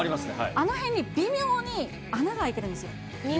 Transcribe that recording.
あの辺に微妙に穴が開いてるんですよ。